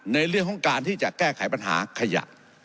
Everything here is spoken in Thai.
ในเรื่องของการที่จะแก้ไขปัญหาขยะ